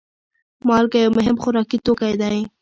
مالګه یو مهم خوراکي توکی دی.